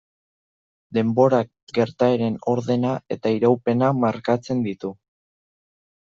Denborak gertaeren ordena eta iraupena markatzen ditu.